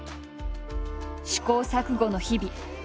試行錯誤の日々。